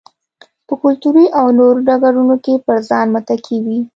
په کلتوري او نورو ډګرونو کې پر ځان متکي وي.